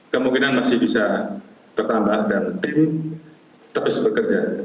kemungkinan masih bisa bertambah dan tim terus bekerja